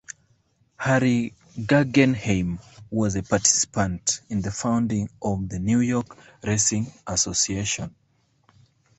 Harry Guggenheim was a participant in the founding of the New York Racing Association.